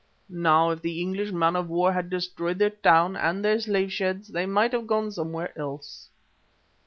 Now if the English man of war had destroyed their town, and their slave sheds, they might have gone somewhere else.